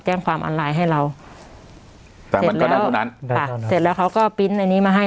แจ้งความออนไลน์ให้เราแต่มันก็ได้เท่านั้นค่ะเสร็จแล้วเขาก็ปริ้นต์อันนี้มาให้